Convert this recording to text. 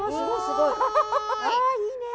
ああいいね。